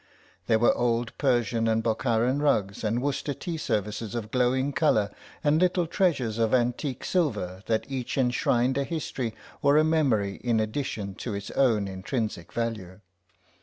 There were old Persian and Bokharan rugs and Worcester tea services of glowing colour, and little treasures of antique silver that each enshrined a history or a memory in addition to its own intrinsic value.